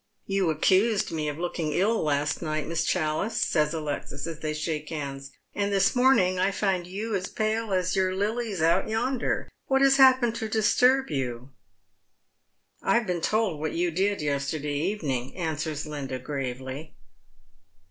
" You accused me of looking ill last night. Miss Challice," says Alexis as they shake hands ;" and this morning I find you as pale as your lilies out yonder. What has happened to disturb you ?"" I have been told what you did yesterday evening," answers Linda, gravely.